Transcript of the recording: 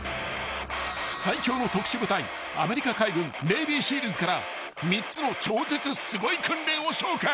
［最強の特殊部隊アメリカ海軍ネイビーシールズから３つの超絶すごい訓練を紹介］